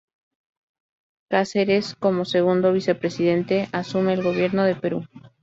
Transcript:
Cáceres como segundo Vicepresidente asume el Gobierno del Perú.